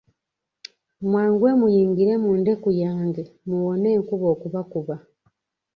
Mwanguwe muyingire mu ndeku yange muwone enkuba okubakuba.